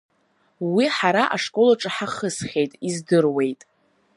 Уи ҳара ашкол аҿы ҳахысхьеит, издыруеит.